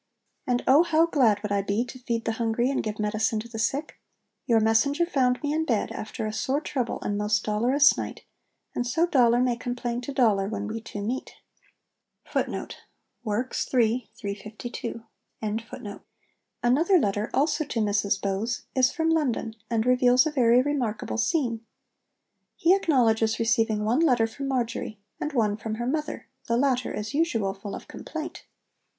And O, how glad would I be to feed the hungry and give medicine to the sick! Your messenger found me in bed, after a sore trouble and most dolorous night, and so dolour may complain to dolour when we two meet.' Another letter, also to Mrs Bowes, is from London, and reveals a very remarkable scene. He acknowledges receiving one letter from Marjory, and one from her mother, the latter, as usual, full of complaint.